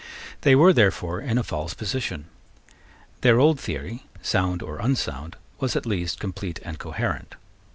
They were, therefore, in a false position. Their old theory, sound or unsound, was at least complete and coherent.